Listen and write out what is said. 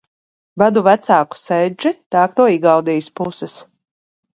Manu vecāku senči nāk no Igaunijas puses.